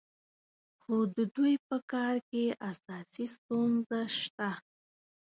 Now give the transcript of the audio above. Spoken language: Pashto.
خو د دوی په کار کې اساسي ستونزه شته.